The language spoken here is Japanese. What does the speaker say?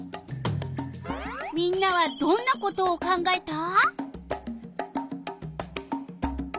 みんなはどんなことを考えた？